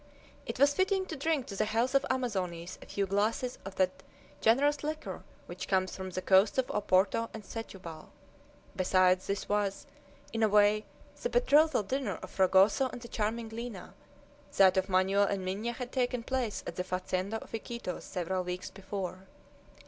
It was fitting to drink to the health of Amazones a few glasses of that generous liquor which comes from the coasts of Oporto and Setubal. Besides, this was, in a way, the betrothal dinner of Fragoso and the charming Lina that of Manoel and Minha had taken place at the fazenda of Iquitos several weeks before.